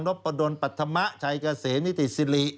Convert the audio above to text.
โรปดนต์ปัทธมะชัยเกษมนิติศิริ